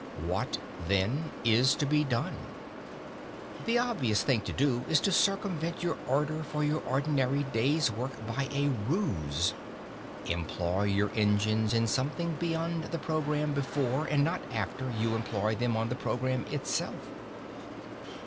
What, then, is to be done? The obvious thing to do is to circumvent your ardour for your ordinary day's work by a ruse. Employ your engines in something beyond the programme before, and not after, you employ them on the programme itself.